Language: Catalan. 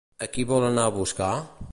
A qui vol anar a buscar?